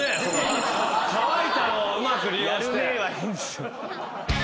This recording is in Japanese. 「乾いた」をうまく利用して。